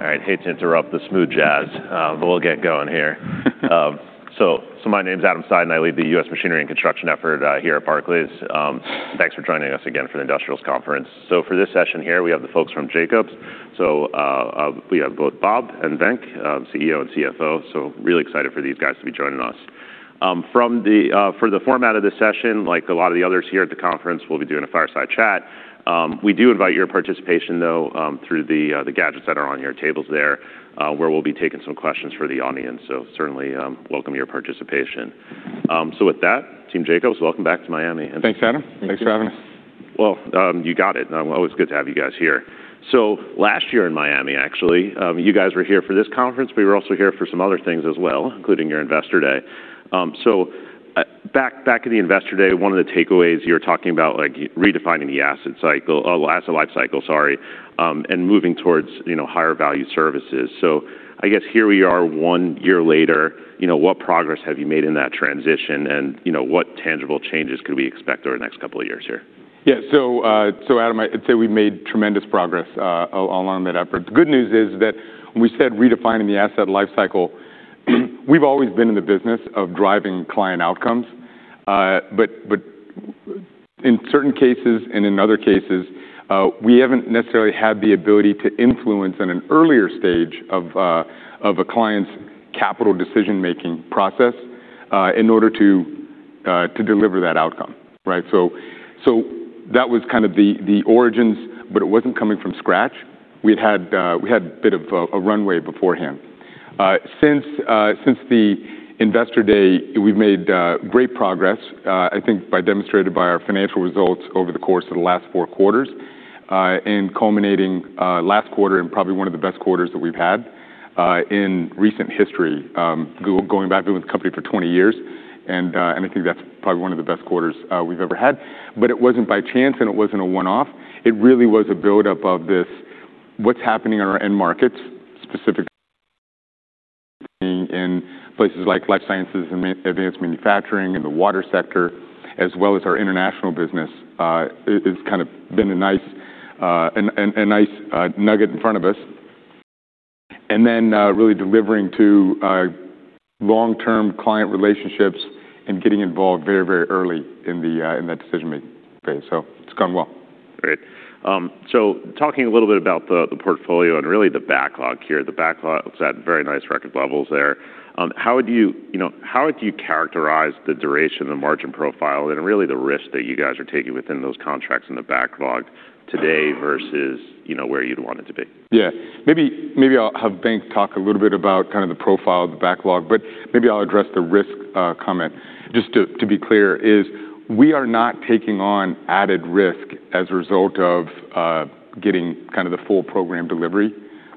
All right, hate to interrupt the smooth jazz, but we'll get going here. So, so my name's Adam Seiden, and I lead the U.S. Machinery and Construction effort here at Barclays. Thanks for joining us again for the Industrials Conference. So for this session here, we have the folks from Jacobs. So, we have both Bob and Venk, CEO and CFO, so really excited for these guys to be joining us. For the format of this session, like a lot of the others here at the conference, we'll be doing a fireside chat. We do invite your participation, though, through the gadgets that are on your tables there, where we'll be taking some questions for the audience. So certainly, welcome your participation. So with that, Team Jacobs, welcome back to Miami. Thanks, Adam. Thank you. Thanks for having us. Well, you got it, and always good to have you guys here. So last year in Miami, actually, you guys were here for this conference, but you were also here for some other things as well, including your Investor Day. So, back, back at the Investor Day, one of the takeaways you were talking about, like, y- redefining the asset cycle, or asset life cycle, sorry, and moving towards, you know, higher value services. So I guess here we are, one year later, you know, what progress have you made in that transition? And, you know, what tangible changes can we expect over the next couple of years here? Yeah. So, so Adam, I'd say we've made tremendous progress along that effort. The good news is that when we said redefining the asset life cycle, we've always been in the business of driving client outcomes. But, but in certain cases and in other cases, we haven't necessarily had the ability to influence in an earlier stage of of a client's capital decision-making process in order to to deliver that outcome, right? So, so that was kind of the the origins, but it wasn't coming from scratch. We'd had we had a bit of a a runway beforehand. Since the Investor Day, we've made great progress, I think, demonstrated by our financial results over the course of the last Q4, and culminating last quarter and probably one of the best quarters that we've had in recent history. Going back, been with the company for 20 years, and I think that's probably one of the best quarters we've ever had. But it wasn't by chance, and it wasn't a one-off. It really was a build-up of this, what's happening in our end markets, specifically in places like life sciences and advanced manufacturing and the water sector, as well as our international business. It's kind of been a nice and a nice nugget in front of us. Really delivering to long-term client relationships and getting involved very, very early in that decision-making phase. It's gone well. Great. Talking a little bit about the, the portfolio and really the backlog here. The backlog is at very nice record levels there. How would you, you know, how would you characterize the duration, the margin profile, and really the risk that you guys are taking within those contracts in the backlog today versus, you know, where you'd want it to be? Yeah. Maybe I'll have Venk talk a little bit about kind of the profile of the backlog, but maybe I'll address the risk comment. Just to be clear, we are not taking on added risk as a result of getting kind of the full program delivery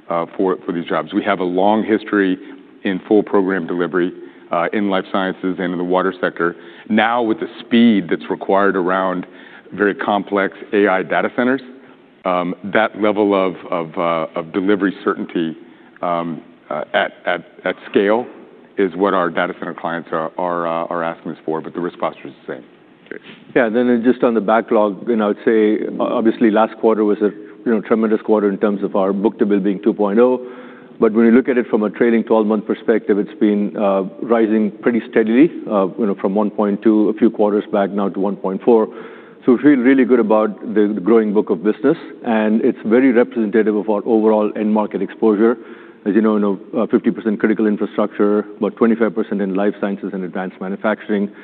for these jobs. We have a long history in full program delivery in life sciences and in the water sector. Now, with the speed that's required around very complex AI data centers, that level of delivery certainty at scale is what our data center clients are asking us for, but the risk posture is the same. Okay. Yeah, and then just on the backlog, you know, I'd say obviously, last quarter was a, you know, tremendous quarter in terms of our book-to-bill being 2.0. But when you look at it from a trailing twelve-month perspective, it's been rising pretty steadily, you know, from 1.2 a few quarters back now to 1.4. So we feel really good about the, the growing book of business, and it's very representative of our overall end market exposure. As you know, you know, 50% critical infrastructure, about 25% in life sciences and advanced manufacturing, and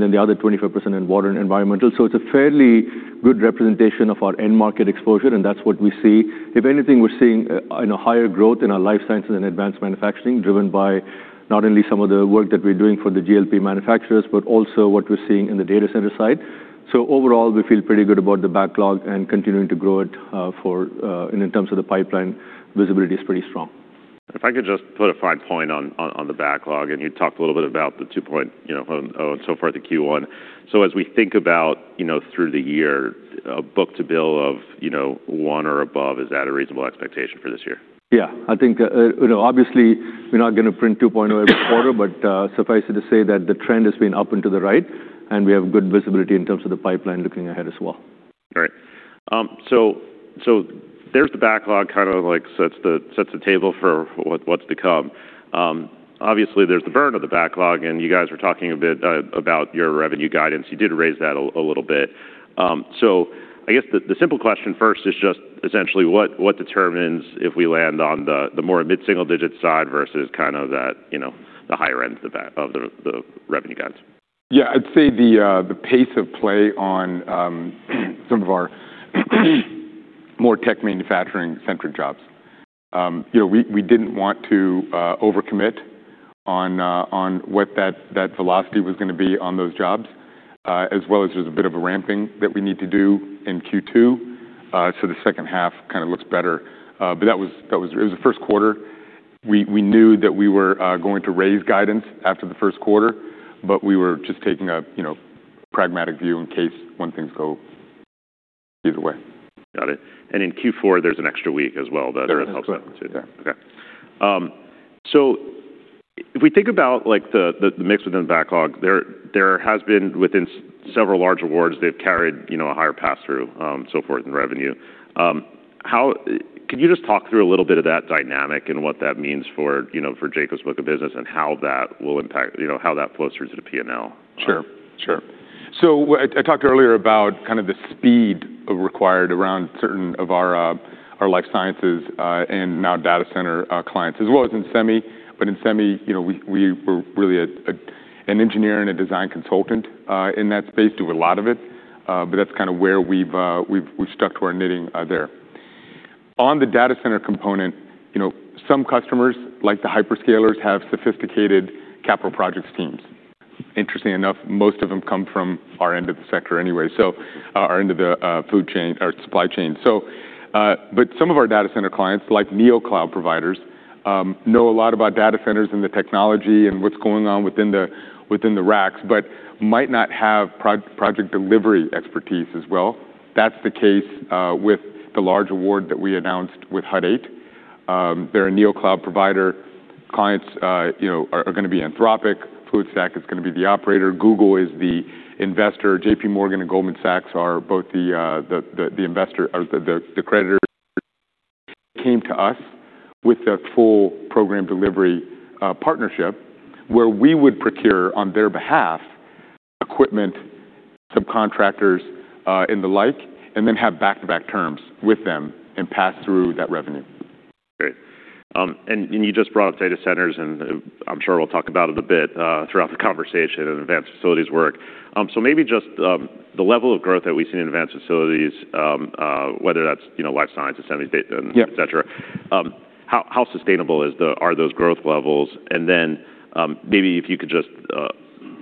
then the other 25% in water and environmental. So it's a fairly good representation of our end market exposure, and that's what we see. If anything, we're seeing, you know, higher growth in our life sciences and advanced manufacturing, driven by not only some of the work that we're doing for the GLP manufacturers, but also what we're seeing in the data center side. So overall, we feel pretty good about the backlog and continuing to grow it, and in terms of the pipeline, visibility is pretty strong. If I could just put a fine point on the backlog, and you talked a little bit about the 2.0, you know, in Q1 so far. So as we think about, you know, through the year, a book-to-bill of, you know, 1 or above, is that a reasonable expectation for this year? Yeah. I think, you know, obviously, we're not gonna print 2.0 every quarter, but, suffice it to say that the trend has been up and to the right, and we have good visibility in terms of the pipeline looking ahead as well. Great. So there's the backlog, kind of like sets the table for what's to come. Obviously, there's the burn of the backlog, and you guys were talking a bit about your revenue guidance. You did raise that a little bit. So I guess the simple question first is just essentially what determines if we land on the more mid-single-digit side versus kind of that, you know, the higher end of the revenue guidance? Yeah. I'd say the pace of play on some of our more tech manufacturing-centric jobs. You know, we didn't want to overcommit on what that velocity was gonna be on those jobs. As well as there's a bit of a ramping that we need to do in Q2. So the H2 kind of looks better, but that was, that was... It was the Q1. We knew that we were going to raise guidance after the Q1, but we were just taking a, you know, pragmatic view in case when things go either way. Got it. In Q4, there's an extra week as well that- Sure. Helps out too. Yeah. Okay. If we think about, like, the mix within the backlog, there has been within several large awards, they've carried, you know, a higher pass-through, so forth in revenue. How-- Can you just talk through a little bit of that dynamic and what that means for, you know, for Jacobs' book of business and how that will impact, you know, how that flows through to the P&L? Sure, sure. So I talked earlier about kind of the speed required around certain of our our life sciences and now data center clients, as well as in semi. But in semi, you know, we were really a an engineer and a design consultant in that space, do a lot of it. But that's kinda where we've stuck to our knitting there. On the data center component, you know, some customers, like the hyperscalers, have sophisticated capital projects teams. Interestingly enough, most of them come from our end of the sector anyway, so our end of the food chain or supply chain. But some of our data center clients, like neo-cloud providers, know a lot about data centers and the technology and what's going on within the, within the racks, but might not have project delivery expertise as well. That's the case, with the large award that we announced with Hut 8. They're a neo-cloud provider. Clients, you know, are, are gonna be Anthropic. FluidStack is gonna be the operator. Google is the investor. JPMorgan and Goldman Sachs are both the, the, the investor or the, the creditor. Came to us with a full program delivery, partnership, where we would procure on their behalf, equipment, subcontractors, and the like, and then have back-to-back terms with them and pass through that revenue. Great. And, and you just brought up data centers, and, I'm sure we'll talk about it a bit, throughout the conversation and advanced facilities work. So maybe just, the level of growth that we've seen in advanced facilities, whether that's, you know, life sciences, semi data, and- Yeah... et cetera. How sustainable are those growth levels? And then, maybe if you could just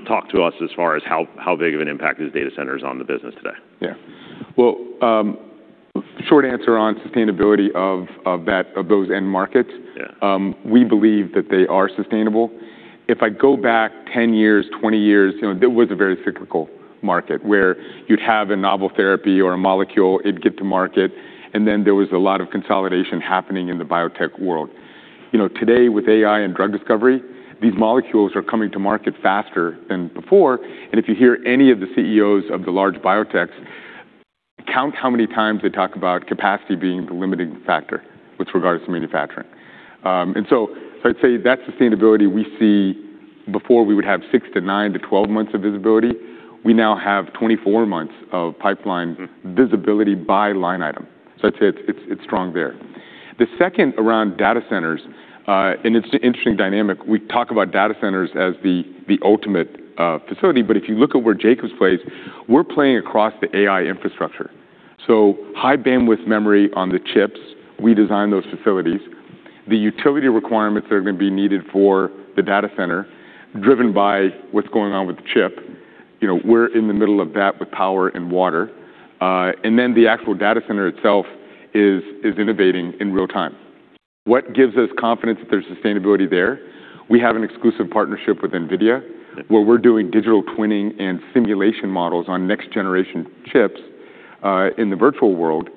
talk to us as far as how big of an impact is data centers on the business today? Yeah. Well, short answer on sustainability of those end markets- Yeah... we believe that they are sustainable. If I go back 10 years, 20 years, you know, it was a very cyclical market, where you'd have a novel therapy or a molecule, it'd get to market, and then there was a lot of consolidation happening in the biotech world. You know, today, with AI and drug discovery, these molecules are coming to market faster than before, and if you hear any of the CEOs of the large biotechs, count how many times they talk about capacity being the limiting factor with regards to manufacturing. And so I'd say that sustainability we see before we would have 6 to 9 to 12 months of visibility, we now have 24 months of pipeline- Mm... visibility by line item. So I'd say it's, it's, it's strong there. The second around data centers, and it's an interesting dynamic. We talk about data centers as the, the ultimate, facility, but if you look at where Jacobs plays, we're playing across the AI infrastructure. So high bandwidth memory on the chips, we design those facilities. The utility requirements that are gonna be needed for the data center, driven by what's going on with the chip, you know, we're in the middle of that with power and water. And then the actual data center itself is, is innovating in real time. What gives us confidence that there's sustainability there? We have an exclusive partnership with NVIDIA- Yeah ... where we're doing digital twinning and simulation models on next-generation chips, in the virtual world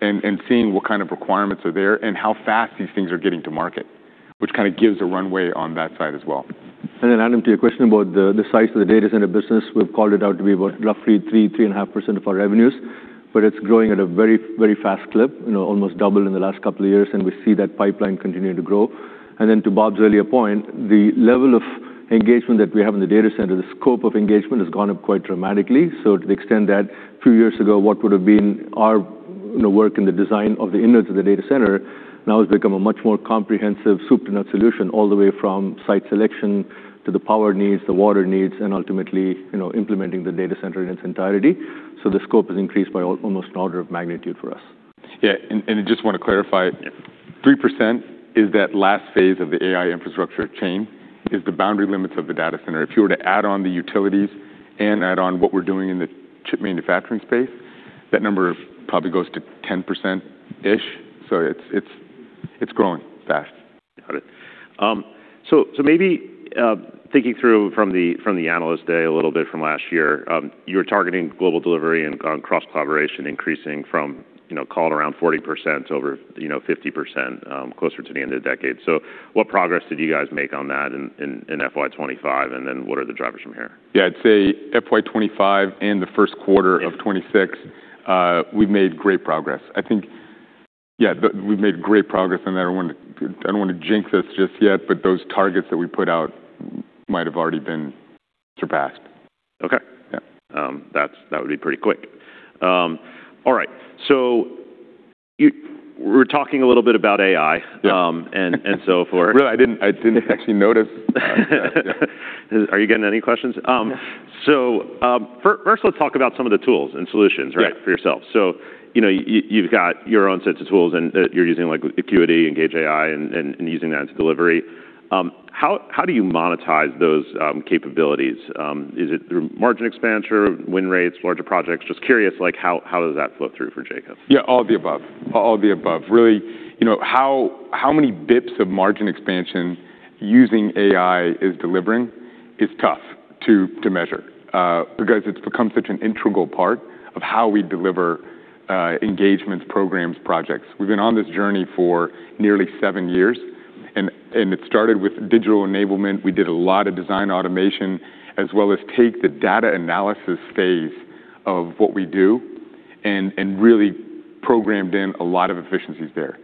and seeing what kind of requirements are there and how fast these things are getting to market, which kinda gives a runway on that side as well. Then, Adam, to your question about the size of the data center business, we've called it out to be about roughly 3-3.5% of our revenues, but it's growing at a very, very fast clip, you know, almost double in the last couple of years, and we see that pipeline continuing to grow. Then, to Bob's earlier point, the level of engagement that we have in the data center, the scope of engagement has gone up quite dramatically. So to the extent that few years ago, what would have been our, you know, work in the design of the innards of the data center, now has become a much more comprehensive, soup to nut solution, all the way from site selection to the power needs, the water needs, and ultimately, you know, implementing the data center in its entirety. The scope has increased by almost an order of magnitude for us. Yeah, and, and I just wanna clarify. Yeah. 3% is that last phase of the AI infrastructure chain, is the boundary limits of the data center. If you were to add on the utilities and add on what we're doing in the chip manufacturing space, that number probably goes to 10%-ish, so it's, it's, it's growing fast. Got it. So, so maybe, thinking through from the Analyst Day, a little bit from last year, you were targeting global delivery and cross-collaboration, increasing from, you know, call it around 40% over, you know, 50%, closer to the end of the decade. So what progress did you guys make on that in FY 2025, and then what are the drivers from here? Yeah, I'd say FY 2025 and the Q1 of 2026, we've made great progress. I think, yeah, we've made great progress on that. I don't wanna, I don't wanna jinx us just yet, but those targets that we put out might have already been surpassed. Okay. Yeah. That would be pretty quick. All right. So we're talking a little bit about AI. Yeah. and so for- Really, I didn't actually notice. Are you getting any questions? Yeah. So, first, let's talk about some of the tools and solutions. Yeah... for yourself. So, you know, you've got your own sets of tools, and you're using, like, Acuity, Engage AI, and using that to deliver. How do you monetize those capabilities? Is it through margin expansion, win rates, larger projects? Just curious, like, how does that flow through for Jacobs? Yeah, all of the above. All of the above. Really, you know, how many basis points of margin expansion using AI is delivering? It's tough to measure because it's become such an integral part of how we deliver engagements, programs, projects. We've been on this journey for nearly seven years, and it started with digital enablement. We did a lot of design automation, as well as take the data analysis phase of what we do and really programmed in a lot of efficiencies there.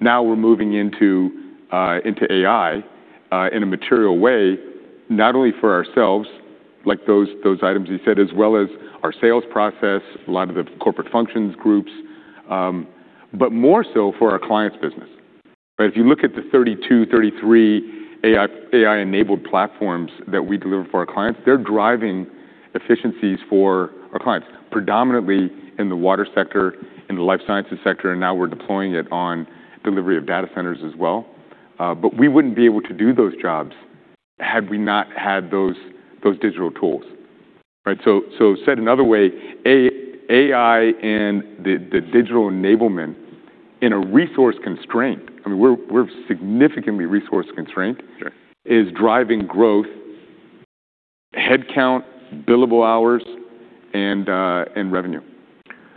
Now we're moving into AI in a material way, not only for ourselves, like those items you said, as well as our sales process, a lot of the corporate functions groups, but more so for our clients' business. But if you look at the 32, 33 AI, AI-enabled platforms that we deliver for our clients, they're driving efficiencies for our clients, predominantly in the water sector, in the life sciences sector, and now we're deploying it on delivery of data centers as well. But we wouldn't be able to do those jobs had we not had those, those digital tools. Right? So, so said another way, AI and the, the digital enablement in a resource constraint, I mean, we're, we're significantly resource constraint- Sure is driving growth, headcount, billable hours, and revenue.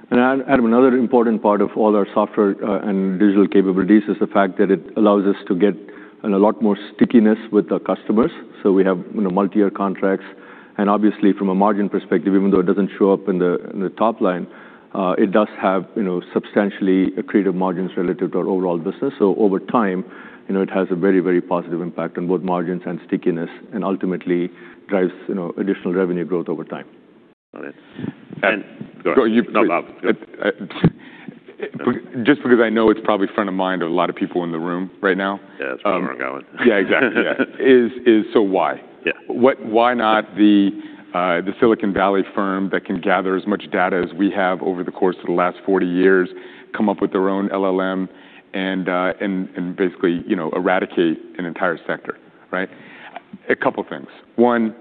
Adam, another important part of all our software and digital capabilities is the fact that it allows us to get a lot more stickiness with our customers, so we have, you know, multi-year contracts. Obviously, from a margin perspective, even though it doesn't show up in the, in the top line, it does have, you know, substantially accretive margins relative to our overall business. Over time, you know, it has a very, very positive impact on both margins and stickiness and ultimately drives, you know, additional revenue growth over time. Got it. And- Go, you... No, Bob. Just because I know it's probably front of mind of a lot of people in the room right now. Yeah, that's where we're going. Yeah, exactly. Yeah. So why? Yeah. What—why not the, the Silicon Valley firm that can gather as much data as we have over the course of the last 40 years, come up with their own LLM, and, and, and basically, you know, eradicate an entire sector, right? A couple of things. One,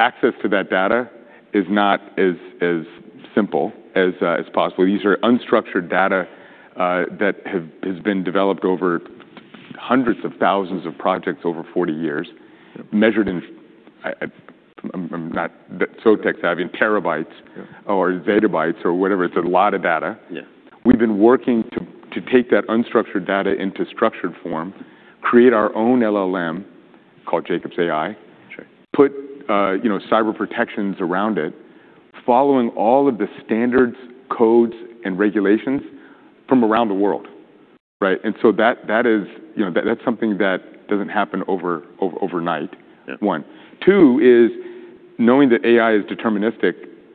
access to that data is not as simple as possible. These are unstructured data that has been developed over hundreds of thousands of projects over 40 years, measured in... I'm not that so tech-savvy, in terabytes- Yeah or zettabytes or whatever. It's a lot of data. Yeah. We've been working to take that unstructured data into structured form, create our own LLM, called Jacobs AI- Sure... put, you know, cyber protections around it, following all of the standards, codes, and regulations from around the world, right? And so that, that is, you know, that, that's something that doesn't happen overnight- Yeah One. Two is, knowing that AI is deterministic,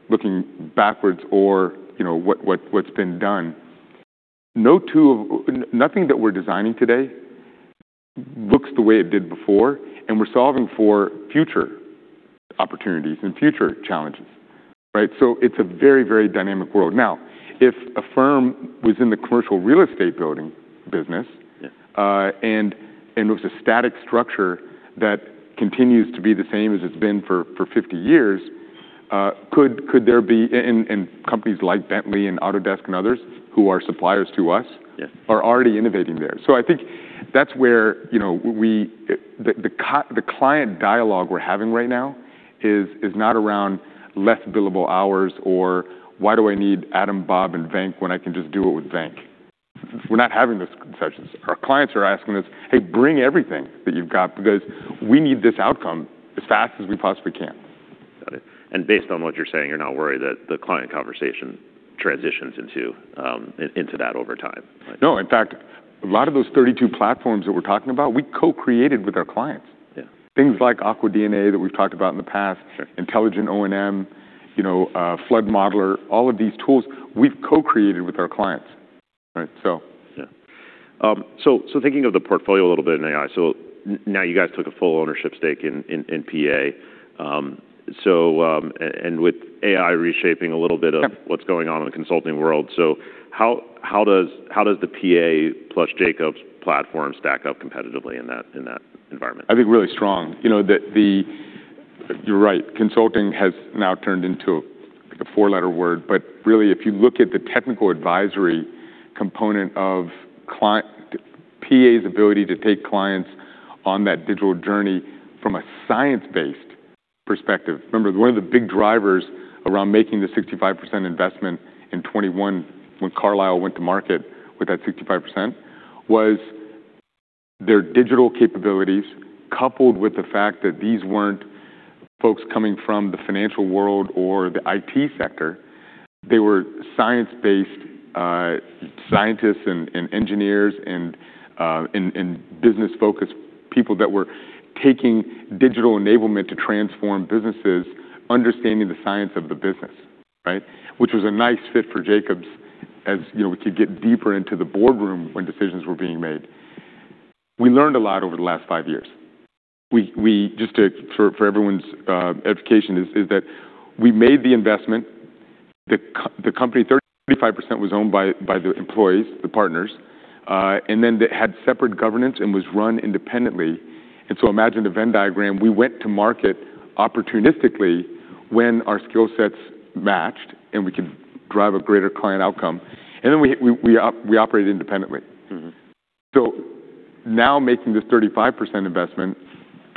looking backwards or, you know, what's been done, nothing that we're designing today looks the way it did before, and we're solving for future opportunities and future challenges, right? So it's a very, very dynamic world. Now, if a firm was in the commercial real estate building business- Yeah and it was a static structure that continues to be the same as it's been for 50 years, could there be... and companies like Bentley and Autodesk and others who are suppliers to us- Yes Are already innovating there. So I think that's where, you know, the client dialogue we're having right now is not around less billable hours or why do I need Adam, Bob, and Venk when I can just do it with Venk? We're not having those conversations. Our clients are asking us, "Hey, bring everything that you've got because we need this outcome as fast as we possibly can. Got it. And based on what you're saying, you're not worried that the client conversation transitions into that over time? No. In fact, a lot of those 32 platforms that we're talking about, we co-created with our clients. Yeah. Things like AquaDNA that we've talked about in the past- Sure... Intelligent O&M, you know, Flood Modeller, all of these tools we've co-created with our clients, right? So... Yeah. So, so thinking of the portfolio a little bit in AI, so now you guys took a full ownership stake in PA. And with AI reshaping a little bit of- Yeah What's going on in the consulting world, so how does the PA plus Jacobs platform stack up competitively in that environment? I think really strong. You know, you're right, consulting has now turned into a four-letter word. But really, if you look at the technical advisory component of client PA's ability to take clients on that digital journey from a science-based perspective. Remember, one of the big drivers around making the 65% investment in 2021 when Carlyle went to market with that 65% was their digital capabilities, coupled with the fact that these weren't folks coming from the financial world or the IT sector. They were science-based scientists and engineers and business-focused people that were taking digital enablement to transform businesses, understanding the science of the business, right? Which was a nice fit for Jacobs, as, you know, we could get deeper into the boardroom when decisions were being made. We learned a lot over the last five years. We just to, for everyone's education is that we made the investment. The company, 35% was owned by the employees, the partners, and then they had separate governance and was run independently. So imagine the Venn diagram. We went to market opportunistically when our skill sets matched, and we could drive a greater client outcome, and then we operated independently. Mm-hmm.... So now making this 35% investment,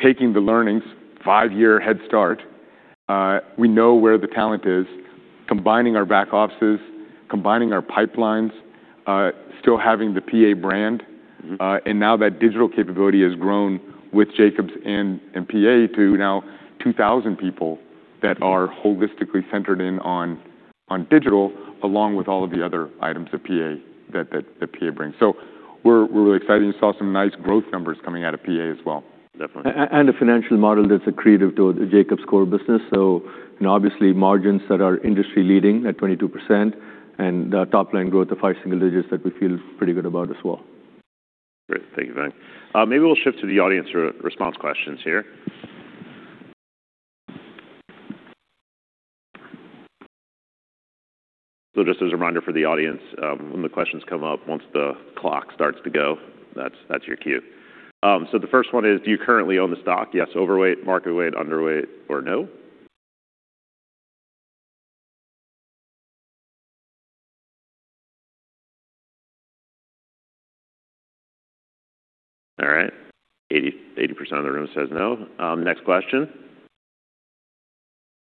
taking the learnings, five-year head start, we know where the talent is, combining our back offices, combining our pipelines, still having the PA brand. Mm-hmm. And now that digital capability has grown with Jacobs and PA to now 2,000 people that are holistically centered in on digital, along with all of the other items of PA that PA brings. So we're really excited and saw some nice growth numbers coming out of PA as well. Definitely. And a financial model that's accretive to the Jacobs core business. So, you know, obviously, margins that are industry-leading at 22% and top line growth of 5 single digits that we feel pretty good about as well. Great. Thank you, Venk. Maybe we'll shift to the audience response questions here. So just as a reminder for the audience, when the questions come up, once the clock starts to go, that's, that's your cue. So the first one is, do you currently own the stock? Yes, overweight, market weight, underweight, or no? All right. 80% of the room says no. Next question: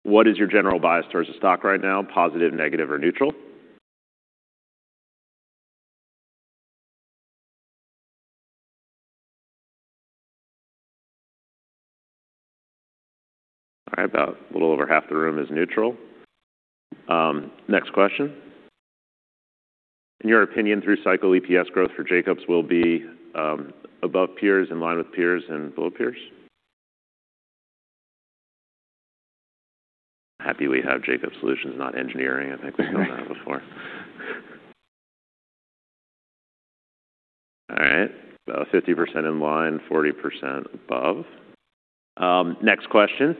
What is your general bias towards the stock right now? Positive, negative, or neutral? All right. About a little over half the room is neutral. Next question: In your opinion, through cycle, EPS growth for Jacobs will be, above peers, in line with peers, and below peers? Happy we have Jacobs Solutions, not engineering. I think we've done that before. All right, about 50% in line, 40% above. Next question: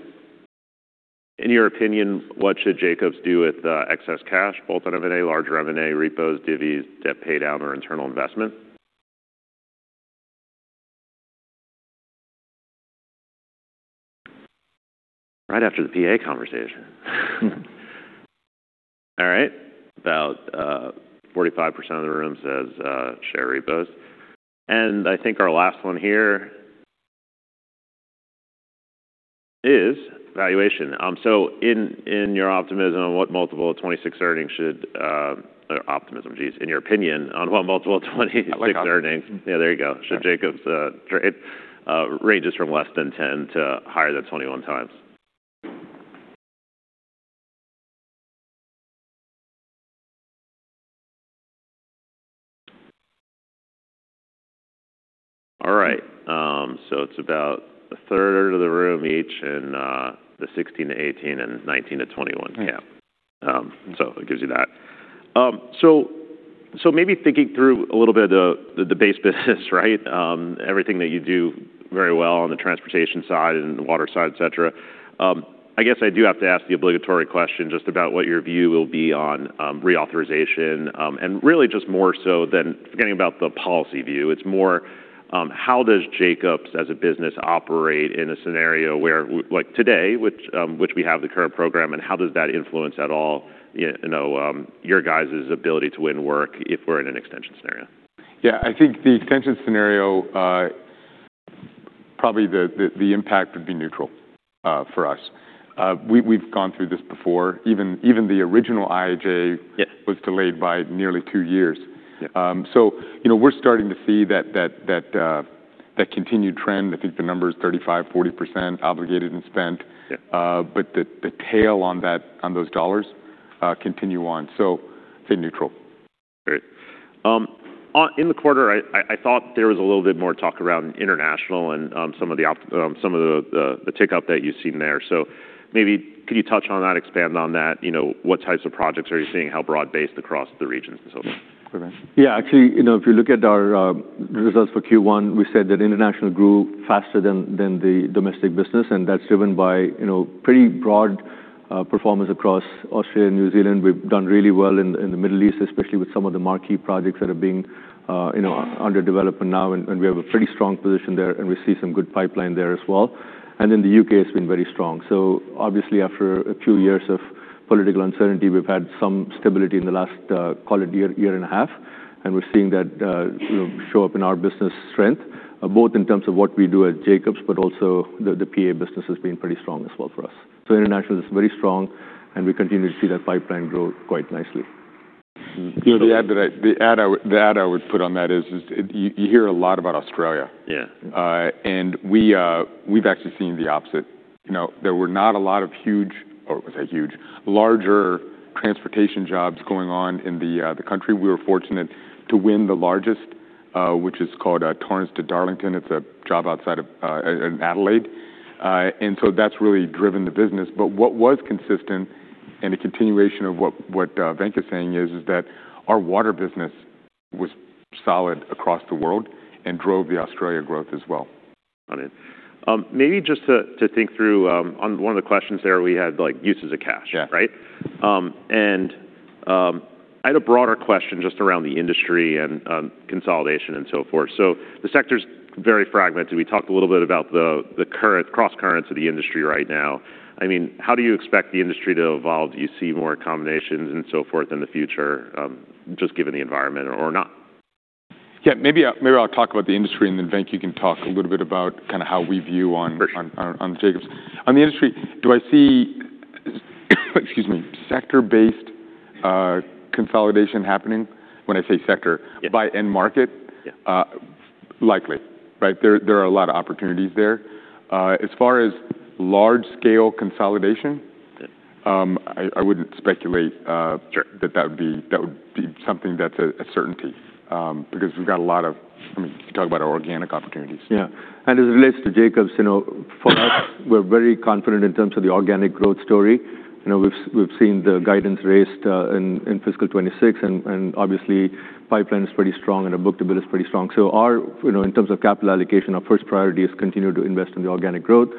In your opinion, what should Jacobs do with excess cash? Bolt on M&A, larger M&A, repos, divvies, debt pay down, or internal investment? Right after the PA conversation. All right, about 45% of the room says share repos. And I think our last one here is valuation. So in, in your optimism, what multiple of 26 earnings should... or optimism, geez, in your opinion, on what multiple of 26 earnings? Yeah, there you go. Should Jacobs trade ranges from less than 10x to higher than 21x? All right, so it's about a third of the room each in the 16 to 18x and 19 to 21x camp. Right. So it gives you that. So maybe thinking through a little bit of the base business, right? Everything that you do very well on the transportation side and the water side, et cetera. I guess I do have to ask the obligatory question just about what your view will be on reauthorization. And really just more so than forgetting about the policy view, it's more how does Jacobs, as a business, operate in a scenario where, like today, which we have the current program, and how does that influence at all, you know, your guys' ability to win work if we're in an extension scenario? Yeah, I think the extension scenario probably the impact would be neutral for us. We've gone through this before. Even the original IIJA- Yeah - was delayed by nearly two years. Yeah. So, you know, we're starting to see that continued trend. I think the number is 35% to 40% obligated and spent. Yeah. But the, the tail on that, on those dollars, continue on, so stay neutral. Great. In the quarter, I thought there was a little bit more talk around international and some of the tick up that you've seen there. So maybe could you touch on that, expand on that? You know, what types of projects are you seeing? How broad-based across the regions and so on? Yeah. Yeah, actually, you know, if you look at our results for Q1, we said that international grew faster than the domestic business, and that's driven by, you know, pretty broad performance across Australia and New Zealand. We've done really well in the Middle East, especially with some of the marquee projects that are being, you know, under development now, and we have a pretty strong position there, and we see some good pipeline there as well. And then the UK has been very strong. So obviously, after a few years of political uncertainty, we've had some stability in the last, call it year, year and a half, and we're seeing that, you know, show up in our business strength, both in terms of what we do at Jacobs, but also the, the PA business has been pretty strong as well for us. So international is very strong, and we continue to see that pipeline grow quite nicely. The add I would put on that is, you hear a lot about Australia. Yeah. And we've actually seen the opposite. You know, there were not a lot of huge, or was that huge, larger transportation jobs going on in the, the country. We were fortunate to win the largest, which is called, Torrens to Darlington. It's a job outside of, in Adelaide. And so that's really driven the business. But what was consistent and a continuation of what, what, Venk is saying is, is that our water business was solid across the world and drove the Australia growth as well. Got it. Maybe just to think through on one of the questions there, we had, like, uses of cash- Yeah Right? I had a broader question just around the industry and consolidation and so forth. So the sector's very fragmented. We talked a little bit about the current cross currents of the industry right now. I mean, how do you expect the industry to evolve? Do you see more combinations and so forth in the future, just given the environment or not? Yeah, maybe I, maybe I'll talk about the industry, and then, Venk, you can talk a little bit about kinda how we view on- Sure On Jacobs. On the industry, do I see, excuse me, sector-based consolidation happening? When I say sector- Yeah -by end market? Yeah. Likely, right? There, there are a lot of opportunities there. As far as large-scale consolidation- Yeah... I wouldn't speculate. Sure that that would be, that would be something that's a, a certainty, because we've got a lot of... I mean, you talk about our organic opportunities. Yeah, and as it relates to Jacobs, you know, for us, we're very confident in terms of the organic growth story. You know, we've seen the guidance raised in fiscal 2026, and obviously, pipeline is pretty strong, and our book-to-bill is pretty strong. So our, you know, in terms of capital allocation, our first priority is continue to invest in the organic growth.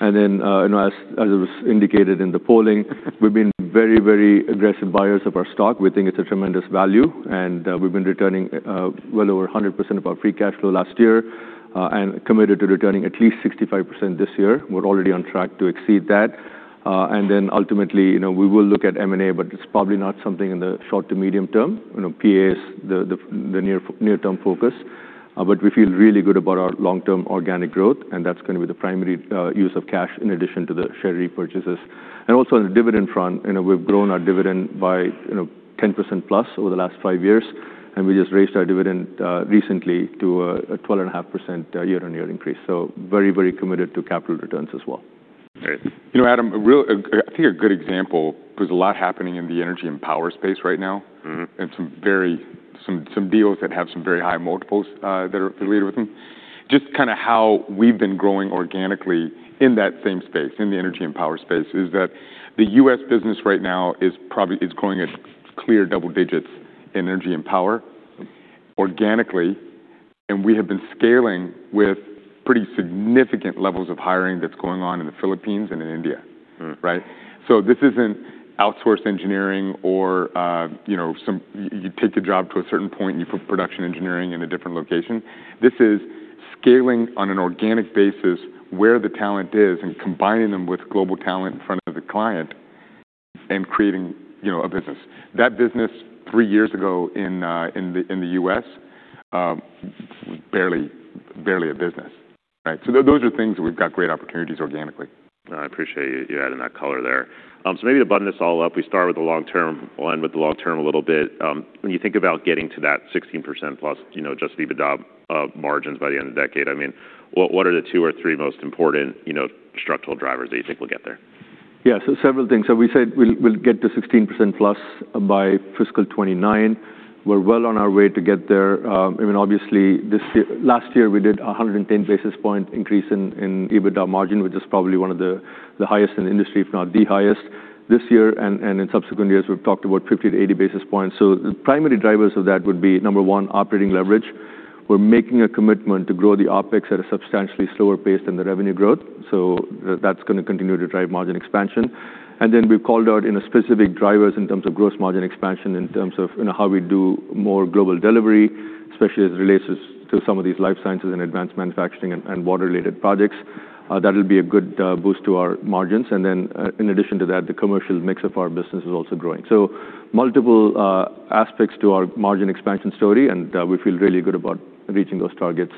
And then, you know, as it was indicated in the polling, we've been very, very aggressive buyers of our stock. We think it's a tremendous value, and we've been returning well over 100% of our free cash flow last year, and committed to returning at least 65% this year. We're already on track to exceed that. And then ultimately, you know, we will look at M&A, but it's probably not something in the short to medium term. You know, PA is the near-term focus, but we feel really good about our long-term organic growth, and that's gonna be the primary use of cash in addition to the share repurchases. And also on the dividend front, you know, we've grown our dividend by, you know, 10%+ over the last five years, and we just raised our dividend recently to a 12.5% year-on-year increase, so very, very committed to capital returns as well. Great. You know, Adam, a real... I think a good example, there's a lot happening in the energy and power space right now. Mm-hmm. And some very deals that have some very high multiples that are related with them. Just kinda how we've been growing organically in that same space, in the energy and power space, is that the U.S. business right now is growing at clear double digits in energy and power organically, and we have been scaling with pretty significant levels of hiring that's going on in the Philippines and in India. Mm. Right? So this isn't outsourced engineering or, you know, you take the job to a certain point, and you put production engineering in a different location. This is scaling on an organic basis where the talent is and combining them with global talent in front of the client and creating, you know, a business. That business, three years ago in the US, barely, barely a business, right? So those are things where we've got great opportunities organically. I appreciate you adding that color there. So maybe to button this all up, we start with the long term. We'll end with the long term a little bit. When you think about getting to that 16%+, you know, adjusted EBITDA margins by the end of the decade, I mean, what are the two or three most important, you know, structural drivers that you think will get there? Yeah, so several things. So we said we'll get to 16%+ by fiscal 2029. We're well on our way to get there. I mean, obviously, this year, last year, we did 110 basis point increase in EBITDA margin, which is probably one of the highest in the industry, if not the highest. This year and in subsequent years, we've talked about 50 to 80 basis points. So the primary drivers of that would be, number one, operating leverage. We're making a commitment to grow the OpEx at a substantially slower pace than the revenue growth, so that's gonna continue to drive margin expansion. And then, we've called out as specific drivers in terms of gross margin expansion, in terms of, you know, how we do more global delivery, especially as it relates to some of these life sciences and advanced manufacturing and water-related projects. That'll be a good boost to our margins. And then, in addition to that, the commercial mix of our business is also growing. So multiple aspects to our margin expansion story, and we feel really good about reaching those targets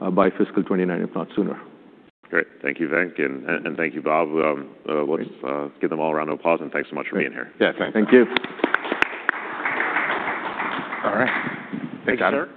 by fiscal 2029, if not sooner. Great. Thank you, Venk, and thank you, Bob. Sure. Let's give them a round of applause, and thanks so much for being here. Yeah, thanks. Thank you. All right. Thank you.